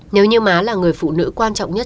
nếu như má là người phụ nữ quan trọng nhất